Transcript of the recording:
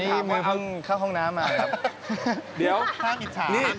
นี่เมื่อพึ่งเข้าห้องน้ำน่ะครับ